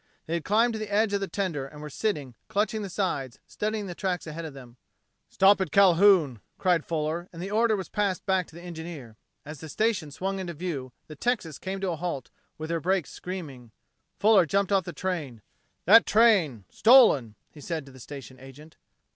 They had climbed to the edge of the tender and were sitting, clutching the sides, studying the tracks ahead of them. "Stop at Calhoun!" called Fuller, and the order was passed back to the engineer. As the station swung into view, the Texas came to a halt, with her brakes screaming. Fuller jumped off. "That train stolen!" he said to the station agent.